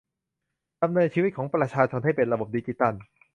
ดำเนินชีวิตของประชาชนให้เป็นระบบดิจิทัล